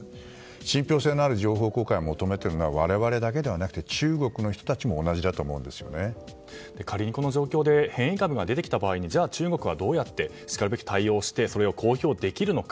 信憑性のある情報公開を求めてるのは我々だけじゃなくて仮にこの状況で変異株が出てきた場合にじゃあ中国はどうやってしかるべき対応をしてそれを公表できるのか。